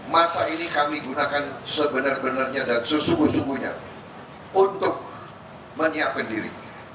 masa ini kami gunakan sebenar benarnya dan sesungguh sungguhnya untuk menyiapkan diri